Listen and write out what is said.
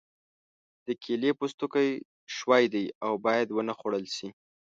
د کیلې پوستکی ښوی دی او باید ونه خوړل شي.